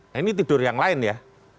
nah ini tidur yang lain ya